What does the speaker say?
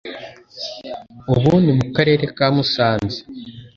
ubu ni mu Karere ka Musanze.